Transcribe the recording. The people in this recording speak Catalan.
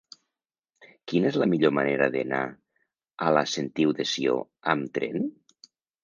Quina és la millor manera d'anar a la Sentiu de Sió amb tren?